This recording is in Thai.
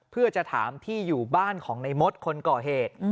เพื่อจะถามที่อยู่บ้านของในมดคนก่อเหตุ